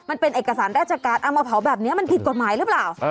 มันเป็นเอกสารราชการเอามาเผาแบบนี้มันผิดกฎหมายหรือเปล่า